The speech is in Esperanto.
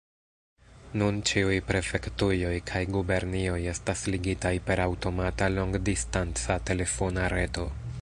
Nun ĉiuj prefektujoj kaj gubernioj estas ligitaj per aŭtomata longdistanca telefona reto.